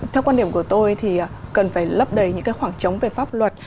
theo quan điểm của tôi thì cần phải lấp đầy những khoảng trống về pháp luật